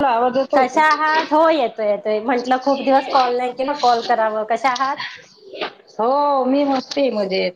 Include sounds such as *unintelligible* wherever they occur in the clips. तुला आवाज येतोय का? कशा आहात? हो येतोय येतोय, म्हंटलं खूप दिवस कॉल नाही केला कॉल करावं कशा आहा हो मी मस्ती मजेत.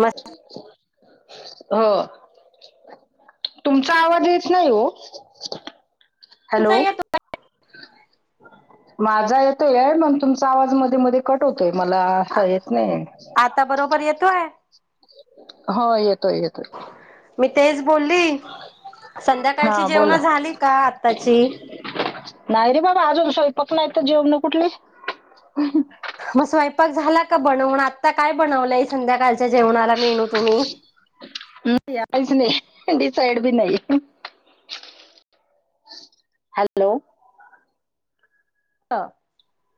मस्त हो. तुमचा आवाज येत नाही हो. हॅलो, तुमचा येतो माझा य तोय मग तुमचा आवाज मध्ये मध्ये कट होतोय मला येत नाही. आता बरोबर येतोय हो येतोय येतोय. मी तेच बोलली, संध्याकाळची हा बोला. जेवणं झाली का आताची? नाही रे बाबा अजून स्वयंपाक नाही तर जेवण कुठली? मग स्वयंपाक झाला का बनवून? आता काय बनवलंय संध्याकाळच्या जेवणाला मेनू तुम्ही? नाही काहीच नाही डिसाईड बी नाही. हॅलो. *unintelligible*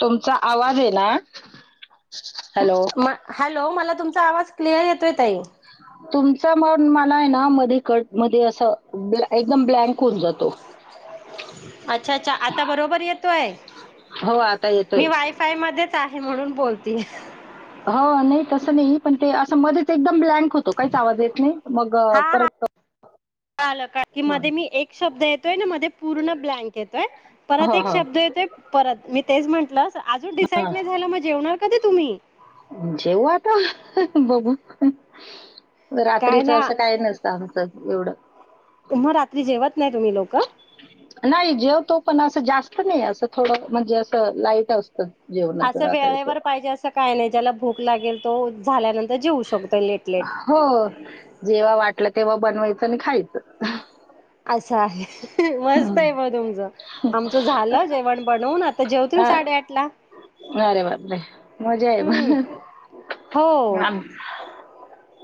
तुमचा आवाज आहे ना. हॅलो म हॅलो मला तुमचा आवाज क्लिअर येतोय ताई. नाही ना मध्ये कट मध्ये असं ब्लॅं एकदम ब्लँक होऊन जातो. अच्छा अच्छा आता बरोबर येतोय? हो आता मी येतोय. वायफाय मध्येच आ हे म्हणून बोलतीय. हो नाही तसं नाही पण ते अस मध्येच एकदम ब्लँक होतो काहीच आवाज येत नाही, मग हा हा परत अ‌ आलं का, की मध्ये मी एक शब्द येतोय ना मध्ये पूर्ण ब्लँक येतोय, परत हो, एक शब्द हो. येतोय परत मी तेच म्हंटलं आ अजुन डिसाईड नाही झालं मग जेवणार कधी तुम्ही? जेवू आता बघू, काय रात्रीचं ना असं काही नसतं आमचं एवढं. मग रात्री जेवत नाही तुम्ही लोकं? नाही जेवतो पण असं जास्त नाही असं थोड म्हणजे असं लाईट अस असं वेळेवर पाहिजे असं काय नाही, ज्याला भूक लागेल तो झाल्यानं हो जेव्हा वाटलं तेव्हा बनवायचं आणि खायचं. असं आहे मस्त हं. आहे म तुमचं आमचं झालं जेवण बनवून आ आ जेवतील अ, साडेआठ ला अरे बाप रे मजा आहे हम्म प हो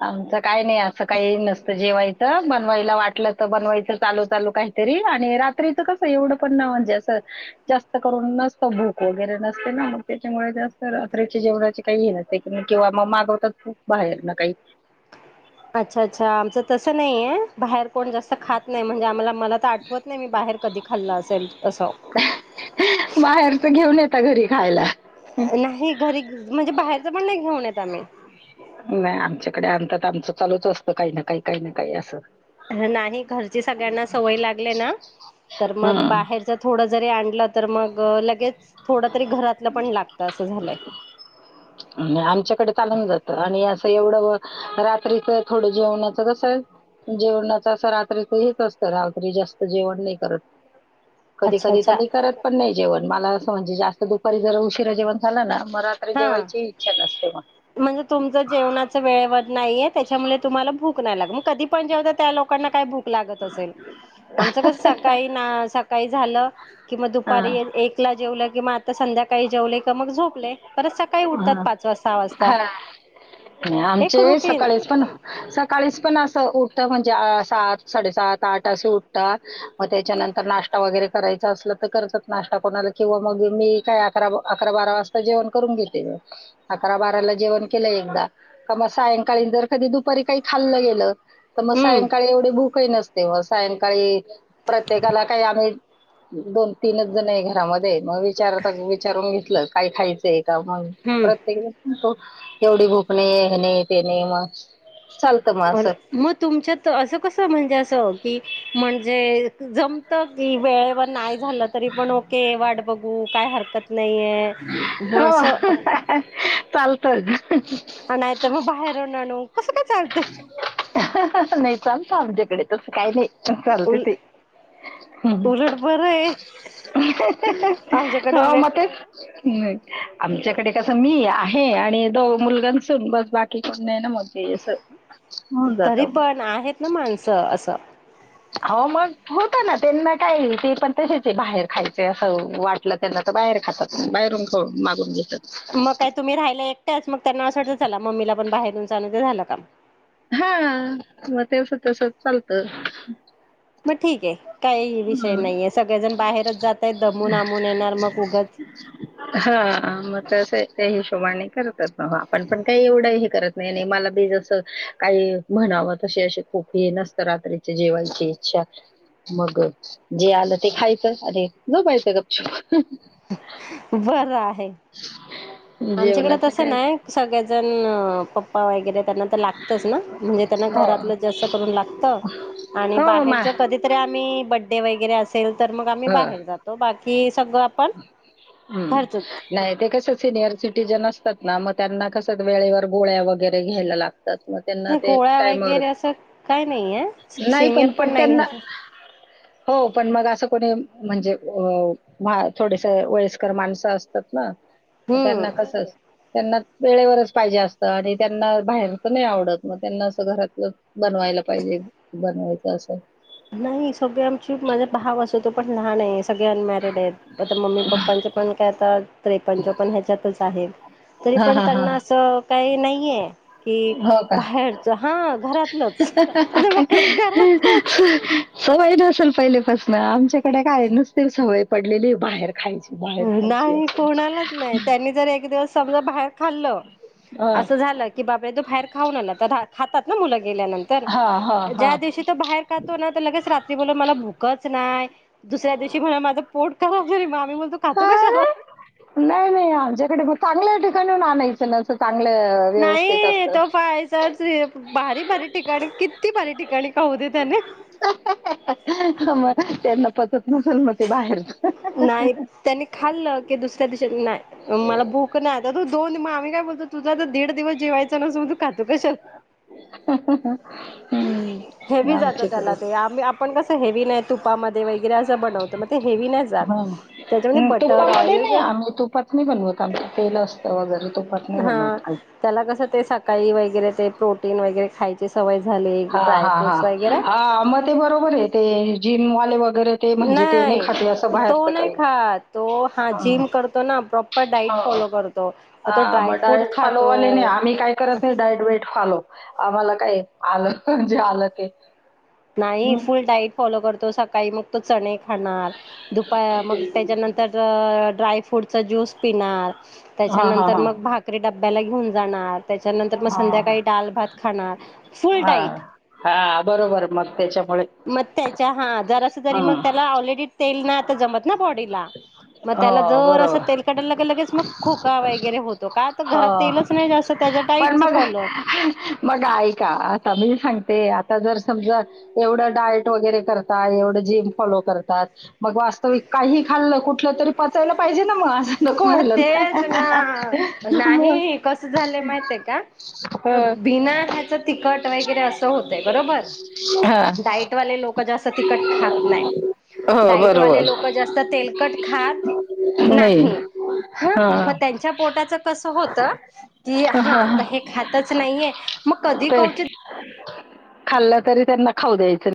आमचं काही नाही असं काही नसतं जेव्हाय बनवायला वाटलं तर बनवायचं चालू चालू काहीतरी आणि रात्रीच कसं एवढं पण ना म्हणजे असं जास्त करून नसत बुक वगैरे न ना मग त्याच्यामुळे जास्त रात्रीच्या जेवणाचे काही हे नसते क किंवा मग मागवत खूप बाहेर ना काही अच्छा अच्छा आमचं तस नाही आहे बाहेर कोण जास्त खात नाही म्हणजे आम्हाला मला तर आठवत नाही मी बाहेर कधी खाल्लं असेल असावं बाहेरच घेऊन येतता घरी खायला नाही घरी म्हणजे बाहेरच पण नाही घेऊन येत आम्ही नाही आमच्याकडे आणतात आमचं चालूच असतं काही ना काही काही ना काही असं नाही घरची सगळ्यांना सवय लागली ना तर मग हम्म बाहेरच थोड जरी आण तर मग लगेच थोड तरी घरातलं पण लागत असं झालंय आमच्याकडे चालून जात आणि एवढं रात्रीच थोडं जेवणाचं कसं आहे जेवणाच असं रात्रीच हेेत असत रावात्री जास्त जेवण नाही करत कधी अच्छा कधी तर अच्छा मी करत ण मला असं म्हणजे जास्त दुपारी जर उशिरा जेवण झाला ना मग रात्री हा जेवाची इच्छा नसते मग म्हणजे तुमचं जेवणाच वेळवर नाहीये त्याच्यामुळे तुम्हाला भूक कधी पण जेवतात त्या लोकांना काय भूक लागत असेल आमचं कस सकाळी ना काही झालं कि म हा दुपारी एकला जेवलं किंवा आता संध्याकाळी जेवले क मग झोपले परत सकाळी उठतात पाच वाजता सहा वाजता हा हा एक आमचे रुटीन सकाळीच पण सकाळीच पण अस उठत म्हणजे सात साडेसात आठ असे उठतात मग त्याच्यानंतर नाश्ता वगैरे करायचा अस तर कर्च नाश्ता कोणाला किंवा मग मी काय अकरा अकरा बारा वाजता जेवण करून घेत अकरा बाराला जेवण केलं एकदा क मग सायंकाळीन जर कधी दुपारी काही खाल्लं गेलं तर मग हम्म सायंकाळी एवढी भूकही नसते मग सायंकाळी प्रत्येकाला काही आम्ही दोन तीनच जण आहे घरामध्ये मग विचारता विचारून घेतलं काय खायचंय का म हम्म प्रत्येकलागतो एवढी भूकणे हे नाही ते नाही मग चालतं मग अर असं. मग तुमच्यात असं कस म्हणजे असं की म्हणजे जम की वेळेवर नाही झालं तरी पण ओके वाट बघू काय हरकत नाहीे म असं चालतच नाही तर मग बाहेरून आणू कसं काय चालत नाही चालतं आमच्याकडे तस काही नाही चालते ते उलट बरं आहे आमच्याकडे ह वे म *inaudible* ते आमच्याकडे कस मी आहे आणि द मुलगांसून बस बाकी कोण नाही ना मग ते होऊन जात तरी *inaudible* मग पण आहेत ना माणसं असं हो मग होत ना त्यांना काय ते पण तसेच बाहेर खायचे असं वाटलं त्यांना ता बाहेर खातात बाहेरून खावुन मागून घे मग काय तुम्ही राहायला एकट्याच मग त्यांना अस वाटत झाला मम्मीला पण बाहेरून जा चालू ते झालं काम हा मग तेवस- तेवस चालत मग ठीक आहे काही विषय नाहीये सगळेजण बाहेरच जातय दधमून आमून येणार मग उगच हा मत त्या हिशोबाने करतच न आपण पण काही एवढं हे करत नाही आणि मला बी जस काही म्ह तशी अशी खूप हे नसत रात्रीच्या जेवायची इच्छा मग जे आलं ते खायचं आणि झोपायचं गपचुप *inaudible* बर आहे आमच्याकडे जेवणाचं तसं काय नाही सगळेजण पप्पा वगैरे त्यांना तर लागतच ना म्हणजे हो, घरातल जास्त करून लागत आणि हो मा बाहेर कधीतरी आम्ही बडडे वगैरे असेल तर मग आम्ही हं, बाहेर जातो बाकी सगळं आपण घरचच हम्म नाही ते कसं सिनियर तिथं नसतात ना मग त्यांना कस वेळेवर गोळ्या वैगैरे घ्यायला लागत तर त्यांना नाही ते गोळ्या टाईमवर *inaudible* वगैरे असं काय नाहीये हो नाही सिनियर पण पण नाही त्यांना ह्याच ह *inaudible* हो पण मग असं कोणी म्हणजे थोडेस वयस्कर *inaudible* माणसं असतात हम्म त्यांना कस त्यांना वेळेवरच पाहिजे असतं आणि त्यांना बाहेरचं नाही आवडत मग त्यांना असं घरातलं बनवायला पाहिजे बनवायचं असं नाही सगळे आमची माझास भाव असो तो पण लहान आहेस सगळे अनमॅरिड आहेत आता मम्मी पप्पांचे पण काय आता ते पण आत्ता त्रेपन्न चोपन ह्याच्यातच आहेत तरी हां, पण हां, हां. त्यांना असं काही नाहीये कि हो का बाहेरच हा *inaudible* घरातलंच घरातच सवय नसेल पहिलेपासन आमच्याकडे काय नसतील सवय पडलेली बाहेर खायची, बाहेर खायची नाही अशी. कोणालाच नाही त्यांनी जर एक दिवस समजा बाहेर खाल्लं हां. अस झाल की बापरे तु बाहेर खाऊन आला खातात ना मुल गे *inaudible* ल्यानंतर हां, हां, ज्या हां. दिवशी तो बाहेर काातो ना तर लगेच रात्री बोलून मला भूकच नाही दुसऱ्या दिवशी म्हण माझं पोट *unintelligible* कारी ममी म्होलत अ नाही नाही आमच्याकडे मग चांगल्या ठिकाणीहुन आणायचं ना चांगलं व्यवस्थित नाही आता तो फायसर भारी भारी ठिकाणी किती भारी ठिकाणी खाऊ दे त्याने *inaudible* आ *inaudible* त्यांना पसत पसन मते बाहेर नाही त्यांनी खाल्लं की दुसऱ्या दिवशी नाही मला भूक नाही आता त दोन मग आम्ही काय बोलतो तुझा तर दीड दिवस जेवायच नस मग तू खातू कशाला ह- ह -ह *inaudible* हेवी जात त्याला ते आपण कस हेवी नाही तुपामध्ये वगैरे असं बनवतं मग ते हेवी नाही जात हा त्याच्यामध्ये बटर तुपामध्ये ऑइल नाही जे आम्ही तुपात नाही बनवत आमच तेल असतं वगैरे ते हा त्याला कसं ते सकाळी वगैरे ते प्रोटीन वगैरे खायची सवय झाली हा- हा- ड्रायफ्रूट्स वगैरे हा मग ते बरोबर आहे ते जिमवाले वग वगैरे ते म्हणजे ते नाही खाते असं तो बाहेरच नाही काही खात तो हा जिम करतो ना प्रॉपर डाईट हो फॉलो करतो. तो -हा मग ड्रायफ्रूट डायट फालोवाले नाही खातो. आम्ही काय करत नाही डायट वेट फालो आम्हाला काय आलं म्हणजे आलं की नाही फुल डाईट फॉलो करतो सकाळी मग तो चणे खाणार दुप मग त्याच्यानंतर ड्रायफ्रूटचा ज्यूस पिणार हा हा त्याच्यानंतर हा मग भाकरी डबब्याला घेऊन जाणार त्याच्यानंतर मग हा संध्याकाळी डाल भात खाणार फुल हा डाईट हा बरोबर मग त्याच्यामुळे मग त्याच्या हा जरा तरी हं मग त्याला ऑलरेडी तेल ना आता जमत ना बॉडीला मग त्याला हो जर बरोबर असं तेल काटायला *unintelligible* गे लगेच मग खोका वगैरे होतो का तर घरात हो तेलच नाही जास्त त्याच्या पण डाईटच मग फॉलो मग ऐ का आता मी सांगते आता जर समजा एवढं डायट वगैरे करता एवढ जिम फॉलो करतात मग वास्तविक काही खाल्लं कुठलं तरी पचायला पाहिजे मगज न मग कमहिलं तेच ना *inaudible* नाही कस झालं माहिित आहे का हं. बिना ह्याच तिकट वगैरे असं होत बरोबर हं. डाईटवाले लोक जास्त तिकट खात नाही हो डाईटवाले लोक बरोबर जास्त तेलकट खात नाही हा मग हं. त्यांच्या पोटाचं कसं होतं की हा हं. हे खातच नाहीये, मग कधी ते कौचीत खाल्लं तरी, त्यांना खाऊ द्यायचं.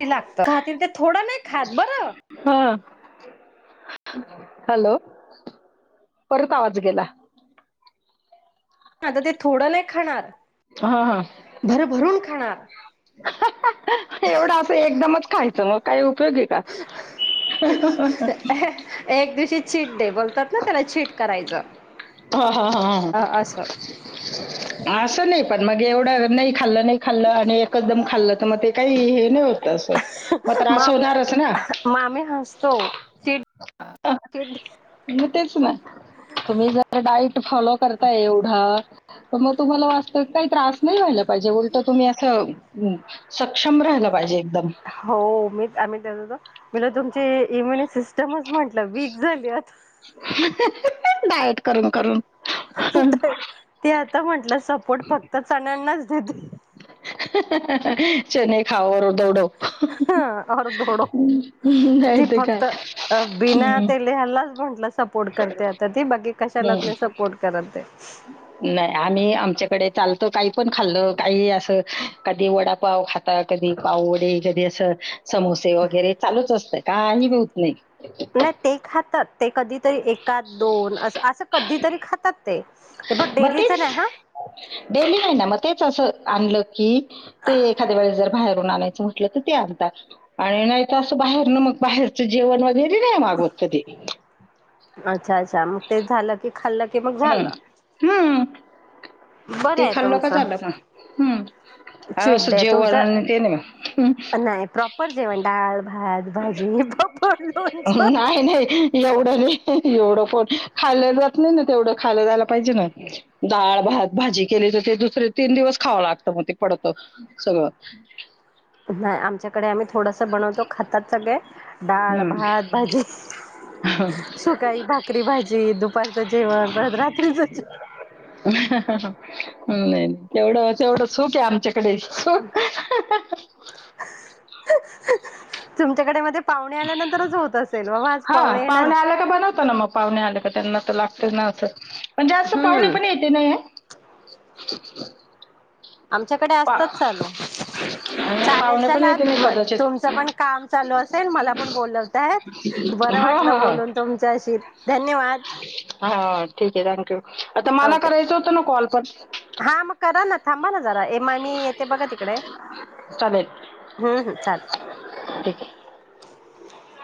किती लागतं, खातील ते थोडं नाही खात बरं! हं हॅलो! परत आवाज गेला. आता ते थोडं नाही, खाणार हं हं भरभरून खाणार. एवढं असं एकदमचं खायचं मग काही का *unintelligible* एक दिवशी चीट दे *unintelligible* बोलतात, ना त्याला चीट करायचं. हं हं अ असं असं नाही, पण मग एवढं. नाही खाल्लं, नाही खाल्ल आणि एकचदम खाल्लं तर, मग ते काही ये नाही होतं. माम मामी हसतो ते *unintelligible* मग तेच ना तुम्ही जर डाईट फॉलो करताय एवढा? तर मग तुम्हाला *unintelligible* काही त्रास नाही, व्हायला पाहिजे उलटं तुम्ही असं सक्षम राहिलं पाहिजे, एकदम. *unintelligible* मला तुमची इम्युन सिस्टमच म्हटलं वीक झाली. आता डाएट करून करून ते आता म्हंटलं सपोर्ट फक्त चण्यांनाच देते. *unintelligible* चणे खाओ और दौडों. *unintelligible* और दौडो. ती नाही ते काय फक्त बिना तेले *unintelligible* करते आता ती बाकी कशालाच हम नाही सपोर्ट करत ते. नाही आम्ही आमच्याकडे चालत काही पण खाल्लं काही, असं कधी वडापाव खाताय कधी पाव वडे कधी असं समोसे वगैरे चालूच, असतं काही बी होत नाही. नाही ते खातात, ते कधी? ते एकात दोन अस, असं कधी तरी खातात, ते हे ब मग डेलीच तेच नाही ह डेली नाही, ना मग तेच असं आणलं, की ते एखाद्या वेळेस जर बाहेर *unintelligible* ते आणतात. आणि नाही तर, असं बाहेरन बाहेरचं जेवणं वगैरे *unintelligible* अच्छा अच्छा! मग तेच झालं. की खाल्लं की मग हा झालं. हम्म! *inaudible* ते आहे खाल्लं का तुमचं झालं, काम हम्म! चीट डे तुमचं *unintelligible* नाही प्रॉपर जेवण डाळ, भात. भाजी पापड लोणचं. नाही, नाही एवढं! एवढं फोन खाल्ल जात, नाही ना तेवढं खालं जायला, पाहिजे ना. डाळ, भात, भाजी केली ते दुसरे तीन दिवस खावं लागतं, मग ते पडत सगळं नाही आमच्याकडे आम्ही, थोडसं बनवतो. खातात सगळे डाळ, हम्म. भात, भाजी. सुकाई भाकरी, भाजी दुपारचं जेवण परत रात्रीच नाही तेवढं, तेवढं सुख आहे. आमच्या *unintelligible* तुमच्याकडे मध्ये पाहुणे आल्यानंतरच होत, असेल. बाबा आज हा येणार पाहुणे आल्या का बनवतो. ना मग पाहुणे आल्या त्यांना तर लागत, ना असं पण जास्त पाहुणे हम्म पण येते नाही *unintelligible* आमच्याकडे पा असतात चालू. चालेल पाहुणे पण चला येते नाही म कदाचित तुमचं पण काम चालू असेल मला पण बोलवताय. हा ह धन्यवाद हा ठीिकक आहे रा थँक्यू आता पण मला ओके करायचा होता ना कॉल पण हा मग करा ना थांबा ना जरा ए मग मी येते बघ तिकडे. चालेल हम्म हम् चालेल. ठीक आहे